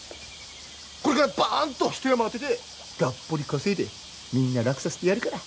これからバーンと一山当ててがっぽり稼いでみんな楽させてやるから。